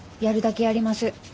やるだけやります。